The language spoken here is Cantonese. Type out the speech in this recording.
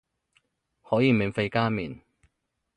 可以免費加麵